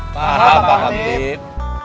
paham pak hamid